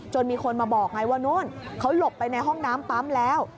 มีคนมาบอกไงว่านู่นเขาหลบไปในห้องน้ำปั๊มแล้ว